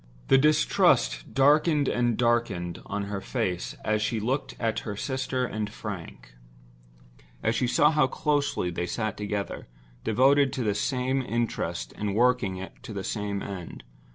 The distrust darkened and darkened on her face as she looked at her sister and Frank; as she saw how close they sat together, devoted to the same interest and working to the same end.